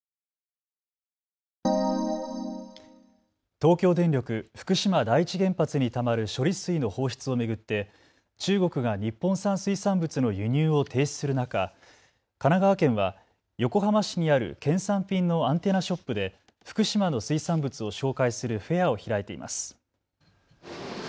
東京電力福島第一原発にたまる処理水の放出を巡って中国が日本産水産物の輸入を停止する中、神奈川県は横浜市にある県産品のアンテナショップで福島の水産物を紹介するフェアを開いています。